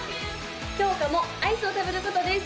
きょうかもアイスを食べることです